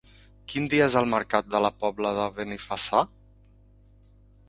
Quin dia és el mercat de la Pobla de Benifassà?